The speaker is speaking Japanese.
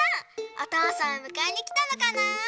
おとうさんをむかえにきたのかな？